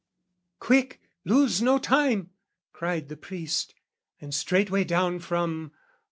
"Quick "Lose no time!" cried the priest. And straightway down From...